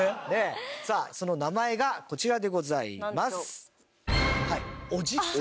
その名前がこちらでございます。